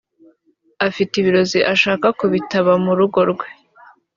afite ibirozi ashaka kubitaba mu rugo rwe